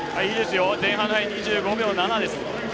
前半の入り、２５秒７です。